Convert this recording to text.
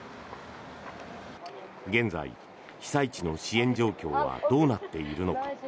現在、被災地の支援状況はどうなっているのか。